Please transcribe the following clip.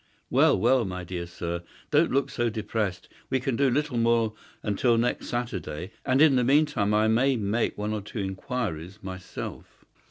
Well, well, my dear sir, don't look so depressed. We can do little more until next Saturday, and in the meantime I may make one or two inquiries myself."